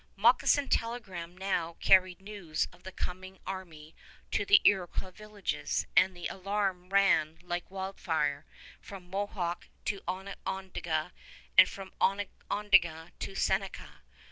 "Moccasin telegram" now carried news of the coming army to the Iroquois villages, and the alarm ran like wildfire from Mohawk to Onondaga and from Onondaga to Seneca.